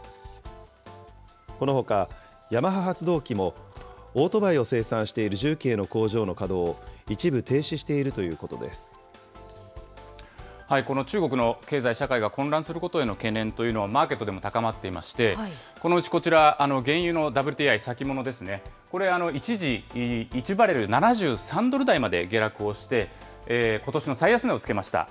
このほか、ヤマハ発動機もオートバイを生産している重慶の工場の稼働を一部この中国の経済、社会が混乱することへの懸念というのは、マーケットでも高まっていまして、このうちこちら、原油のＷＴＩ先物ですね、これ、一時１バレル７３ドル台まで下落をして、ことしの最安値をつけました。